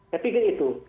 saya pikir itu